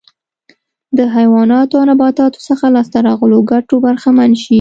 د حیواناتو او نباتاتو څخه له لاسته راغلو ګټو برخمن شي.